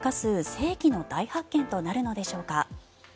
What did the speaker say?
世紀の大発見となるのでしょうか。